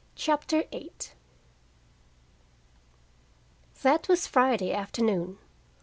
CHAPTER VIII That was Friday afternoon.